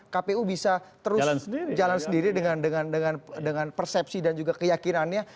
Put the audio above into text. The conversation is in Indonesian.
kpu bisa terus jalan sendiri dengan persepsi dan juga keyakinannya